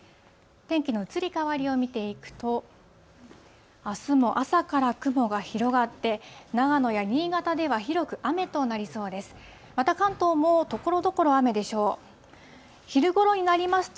天気の移り変わりを見ていくと、あすも朝から雲が広がって、長野や新潟では広く雨となりそうです。